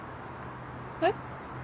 えっ？